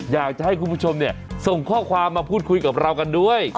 อยากจะให้คุณผู้ชมส่งข้อความมาพูดคุยกับเรากันด้วย